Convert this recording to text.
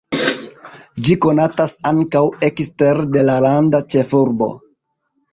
Ĝi konatas ankaŭ ekstere de la landa ĉefurbo.